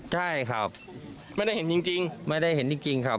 ใช่ครับไม่ได้เห็นจริงไม่ได้เห็นจริงครับ